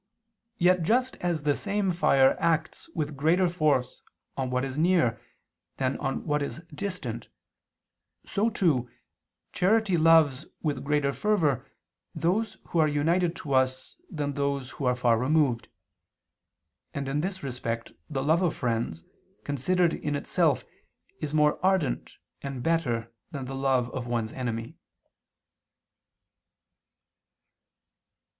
Yet just as the same fire acts with greater force on what is near than on what is distant, so too, charity loves with greater fervor those who are united to us than those who are far removed; and in this respect the love of friends, considered in itself, is more ardent and better than the love of one's enemy.